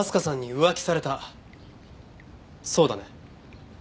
そうだね？